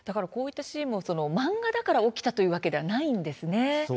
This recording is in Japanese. こういったシーンも漫画だから起きたというわけではないんですね。